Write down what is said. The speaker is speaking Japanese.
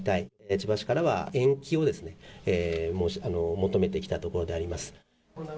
千葉市からは延期を求めてきたところであります。